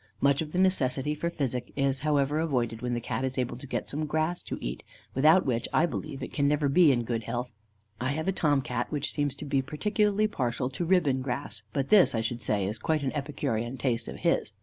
Much of the necessity for physic is, however, avoided when the Cat is able to get some grass to eat, without which, I believe, it can never be in good health. I have a Tom Cat, which seems to be particularly partial to ribbon grass, but this, I should say, is quite an epicurean taste of his.